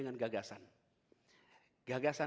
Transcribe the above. mengapa harus dimulai dengan gagasan